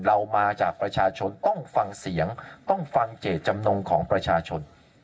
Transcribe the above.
เรามาจากประชาชนต้องฟังเสียงต้องฟังเจตจำนงของประชาชน